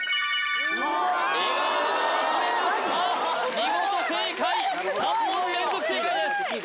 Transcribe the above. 見事正解３問連続正解です